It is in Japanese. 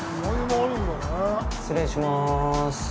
失礼します。